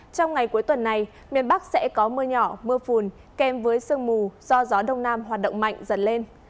trong ngày cuối tuần này miền bắc sẽ có mưa nhỏ mưa phùn kèm với sương mù do gió đông nam hoạt động mạnh dần lên